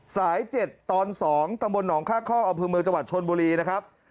สาย๗ตอน๒ตรงบนหนองค่าข้ออบพื้นเมืองจังหวัดชนบุรีนะครับ